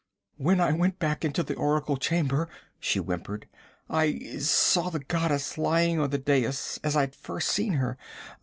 'When I went back into the oracle chamber,' she whimpered, 'I saw the goddess lying on the dais as I'd first seen her.